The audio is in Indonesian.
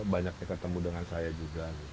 banyak yang ketemu dengan saya juga